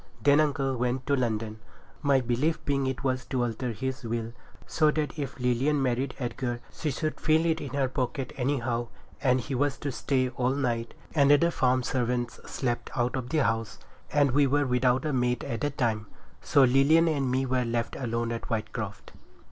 Then uncle went to London, my belief being it was to alter his will, so that if Lilian married Edgar, she should feel it in her pocket, anyhow, and he was to stay all night, and the farm servants slept out of the house, and we were without a maid at the time. So Lilian and me were left alone at Whitecroft.